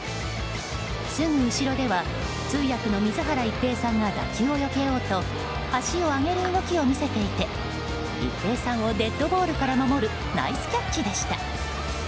すぐ後ろでは通訳の水原一平さんが打球をよけようと足を上げる動きを見せていて一平さんをデッドボールから守るナイスキャッチでした。